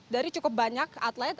dari cukup banyak atlet